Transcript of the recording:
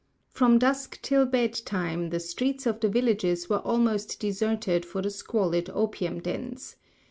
From dusk till bed time, the streets of the villages were almost deserted for the squalid opium dens.